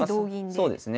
そうですね。